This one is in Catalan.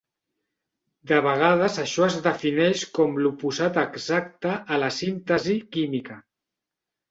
De vegades això es defineix com l'oposat exacte a la síntesi química.